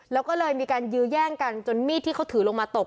แล้วก็เลยมีการยื้อแย่งกันจนมีดที่เขาถือลงมาตบ